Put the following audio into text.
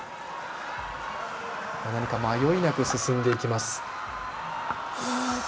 何か、迷いなく進んでいきます。